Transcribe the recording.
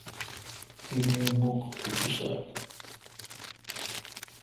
تی می مکھ اکسال۔